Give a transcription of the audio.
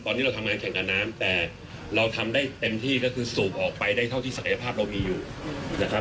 ตอนนี้เราทำงานแข่งกับน้ำแต่เราทำได้เต็มที่ก็คือสูบออกไปได้เท่าที่ศักยภาพเรามีอยู่นะครับ